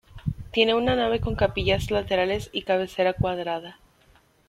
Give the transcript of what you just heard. Tiene una nave con capillas laterales y cabecera cuadrada.